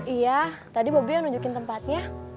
iya tadi bobi ya nunjukin tempatnya